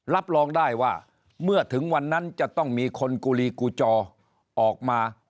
รับรองได้ว่าเมื่อถึงวันนั้นจะต้องมีคนกุลีกูจอออกมา